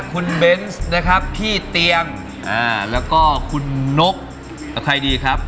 คุณเบนส์นะครับที่เตียงแล้วก็คุณนกใครดีครับ